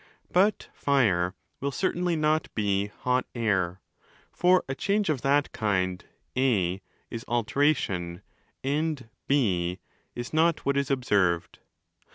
But Fire will certainly not be 'hot Air'. For a change of that kind® (4) is 'alteration', and (6) is not what is observed.